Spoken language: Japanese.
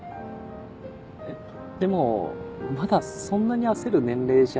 えっでもまだそんなに焦る年齢じゃ。